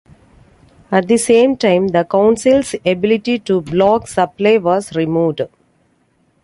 At the same time, the Council's ability to block supply was removed.